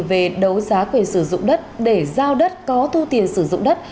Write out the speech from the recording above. về đấu giá quyền sử dụng đất để giao đất có thu tiền sử dụng đất